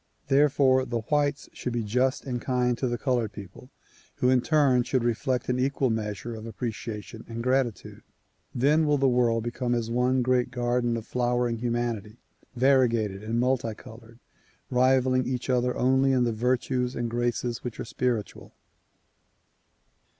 Therefore the whites should be just and kind to the colored people who in turn should reflect an equal measure of appreciation and gratitude. Then will the world become as one great garden of flowering humanity, variegated and multi colored, rivaling each other only in the virtues and graces which are spiritual.